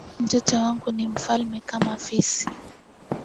Mtoto wangu ni mlafi kama fisi